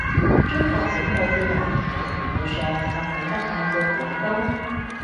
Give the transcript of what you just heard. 中國本部嘅人某程度上覺醒得快過廣東